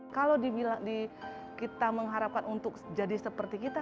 kalau kita mengharapkan untuk jadi seperti kita